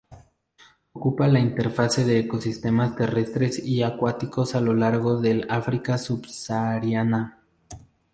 Ocupa la interfase de ecosistemas terrestres y acuáticos a lo largo del África subsahariana.